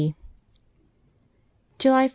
July 4.